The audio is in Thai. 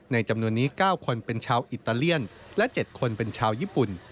จำนวนนี้๙คนเป็นชาวอิตาเลียนและ๗คนเป็นชาวญี่ปุ่น